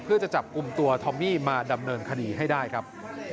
เพื่อจะจับกลุ่มตัวทอมมี่มาดำเนินคดีให้ได้ครับ